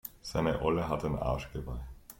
Seine Olle hat ein Arschgeweih.